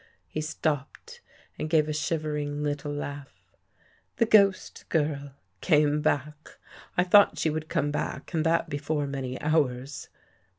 ..." He stopped and gave a shivering little laugh, " The ghost girl, came back. I thought she would come back and that before many hours.